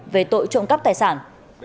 về tội trộm cắp tài sản